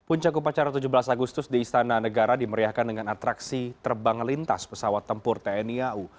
puncak upacara tujuh belas agustus di istana negara dimeriahkan dengan atraksi terbang lintas pesawat tempur tni au